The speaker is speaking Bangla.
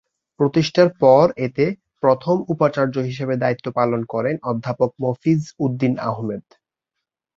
প্রতিষ্ঠার পর এতে প্রথম উপাচার্য হিসাবে দায়িত্ব পালন করেন অধ্যাপক মফিজ উদ্দীন আহমেদ।